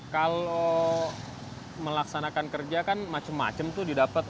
kalau melaksanakan kerja kan macem macem tuh didapet